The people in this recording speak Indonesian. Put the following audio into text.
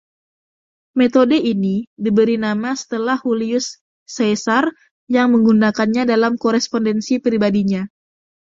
Metode ini diberi nama setelah Julius Caesar, yang menggunakannya dalam korespondensi pribadinya.